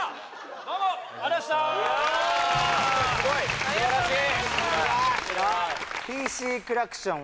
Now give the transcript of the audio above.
どうもありがとうございましたおもしろい・すごいすばらしい！